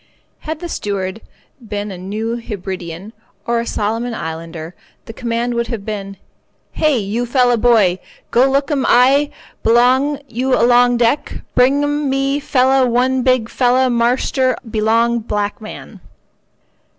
Had the steward been a New Hebridean or a Solomon islander, the command would have been: "Hey, you fella boy, go look 'm eye belong you along deck, bring 'm me fella one big fella marster belong black man."